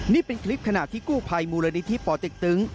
นี่เป็นคลิปขณะที่กู้ภัยมูลนิธิป่อเต็กตึง